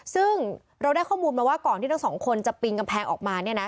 ซึ่งเราได้ข้อมูลมาว่าก่อนที่ทั้งสองคนจะปีนกำแพงออกมาเนี่ยนะ